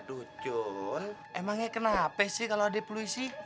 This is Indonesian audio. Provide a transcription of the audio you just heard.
aduh cun emangnya kenapa sih kalau ada polisi